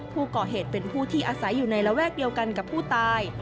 ผู้ก่อเหตุเป็นผู้ที่อาศัยอยู่ในระแวกเดียวกันกับผู้ตาย